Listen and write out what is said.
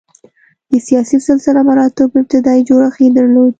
د سیاسي سلسله مراتبو ابتدايي جوړښت یې درلود.